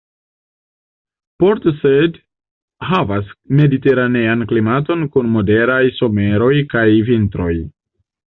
Port Said havas mediteranean klimaton kun moderaj someroj kaj vintroj.